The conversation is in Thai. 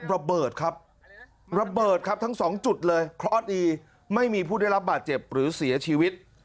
ระเบิดครับระเบิดครับทั้งสองจุดเลยเคราะห์ดีไม่มีผู้ได้รับบาดเจ็บหรือเสียชีวิต